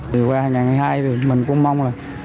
từ qua ngày hai mình cũng mong là